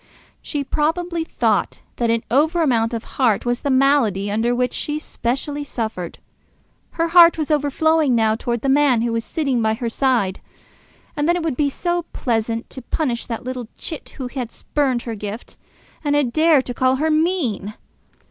She probably thought that an over amount of heart was the malady under which she specially suffered. Her heart was overflowing now towards the man who was sitting by her side. And then it would be so pleasant to punish that little chit who had spurned her gift and had dared to call her mean!